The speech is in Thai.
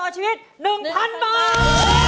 ชีวิต๑๐๐๐บาท